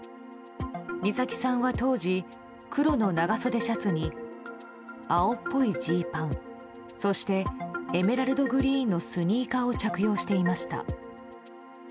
美咲さんは当時黒の長袖シャツに青っぽいジーパンそしてエメラルドグリーンのスニーカーを着用していました。